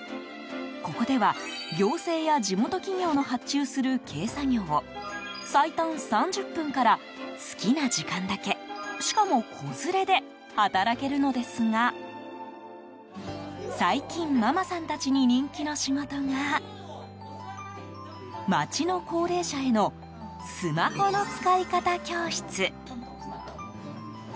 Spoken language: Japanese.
ここでは、行政や地元企業の発注する軽作業を最短３０分から好きな時間だけしかも子連れで働けるのですが最近、ママさんたちに人気の仕事が町の高齢者へのスマホの使い方教室。